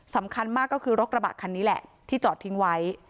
สำคัญมากก็คือรถกระบะคันนี้แหละที่จอดทิ้งไว้